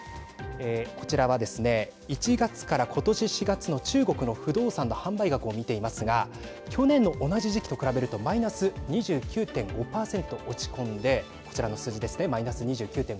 こちらはですね１月から、ことし４月の中国の不動産の販売額を見ていますが去年の同じ時期と比べるとマイナス２９．５％落ち込んで、こちらの数字ですねマイナス２９．５％。